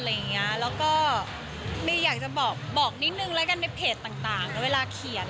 แล้วก็เมย์อยากจะบอกนิดนึงแล้วกันในเพจต่างแล้วเวลาเขียน